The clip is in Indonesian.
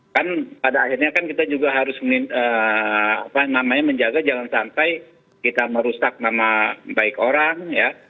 kan pada akhirnya kan kita juga harus menjaga jangan sampai kita merusak nama baik orang ya